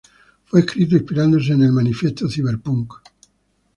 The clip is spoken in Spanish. Fue escrito inspirándose en el Manifiesto Cyberpunk.